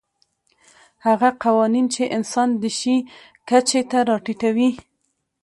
هغه قوانین چې انسان د شي کچې ته راټیټوي.